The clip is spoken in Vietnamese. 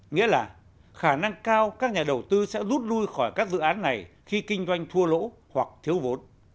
nghĩa là khả năng cao các nhà đầu tư sẽ rút lui khỏi các dự án này khi kinh doanh thua lỗ hoặc thiếu vốn